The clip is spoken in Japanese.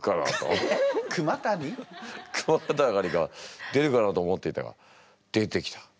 句またがりが出るかなと思っていたが出てきた。